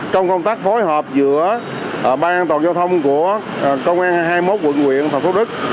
trong công tác phối hợp giữa ban an toàn giao thông của công an hai mươi một quận quyện thành phố thủ đức